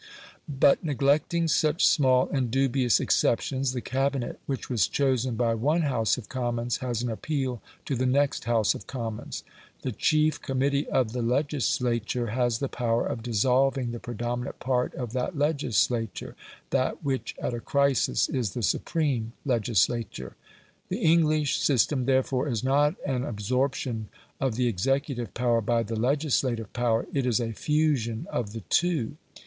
But neglecting such small and dubious exceptions, the Cabinet which was chosen by one House of Commons has an appeal to the next House of Commons. The chief committee of the legislature has the power of dissolving the predominant part of that legislature that which at a crisis is the supreme legislature. The English system, therefore, is not an absorption of the executive power by the legislative power; it is a fusion of the two.